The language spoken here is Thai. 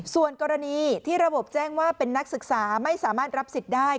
ส่วนกรณีที่ระบบแจ้งว่าเป็นนักศึกษาไม่สามารถรับสิทธิ์ได้